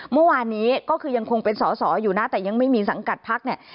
เมื่อวานนี้ก็คือยังคงเป็นสอสออยู่นะแต่ยังไม่มีสังกัดพักเนี่ย